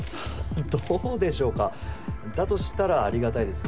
どうでしょうかだとしたらありがたいです。